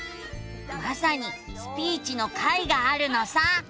まさに「スピーチ」の回があるのさ。